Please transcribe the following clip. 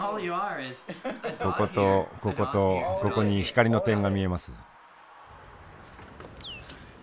こことこことここに光の点が見えます。